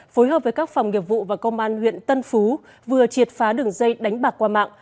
phối hợp với các phòng nghiệp vụ và công an huyện tân phú vừa triệt phá đường dây đánh bạc qua mạng